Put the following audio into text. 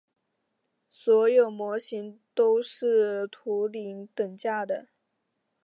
所有模型都是图灵等价的。